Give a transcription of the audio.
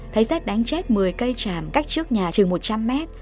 thấy xét đánh chết một mươi cây tràm cách trước nhà chừng một trăm linh mét